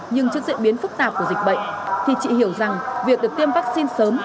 nhưng trước diễn biến phức tạp của dịch bệnh thì chị hiểu rằng việc được tiêm vaccine sớm